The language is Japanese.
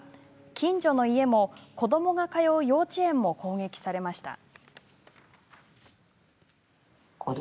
近所の家も子どもが通う幼稚園も攻撃されました。